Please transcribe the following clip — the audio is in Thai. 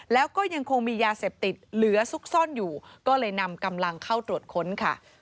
แล้วก็ยังคงมียาเสพติดเหลือซุกซ่อนอยู่ก็เลยนำกำลังเข้าตรวจค้นค่ะ